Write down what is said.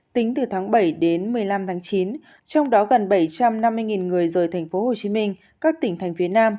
tính từ tháng bảy đến một mươi năm tháng chín trong đó gần bảy trăm năm mươi người rời tp hcm các tỉnh thành phía nam